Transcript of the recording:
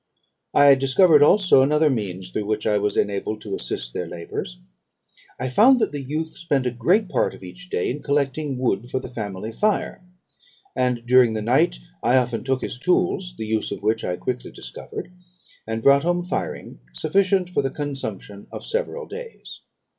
"I discovered also another means through which I was enabled to assist their labours. I found that the youth spent a great part of each day in collecting wood for the family fire; and, during the night, I often took his tools, the use of which I quickly discovered, and brought home firing sufficient for the consumption of several days.